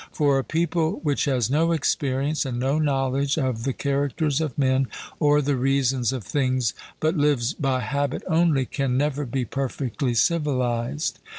For a people which has no experience, and no knowledge of the characters of men or the reason of things, but lives by habit only, can never be perfectly civilized.